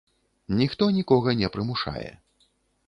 Ніхто нікога не прымушае.